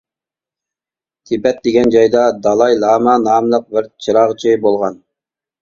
تىبەت دېگەن جايدا دالاي لاما ناملىق بىر چىراغچى بولغان.